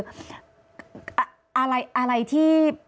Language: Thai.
อะไรที่คืออาจจะยังนึกภาพไม่ออกว่า